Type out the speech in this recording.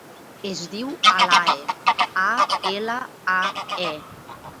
Es diu Alae: a, ela, a, e.